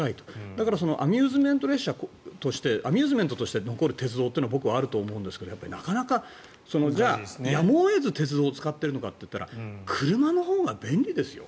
だからアミューズメント列車としてアミューズメントとして残る鉄道というのは僕はあると思うんですがなかなかやむを得ず鉄道を使っているのかと言ったら車のほうが便利ですよ。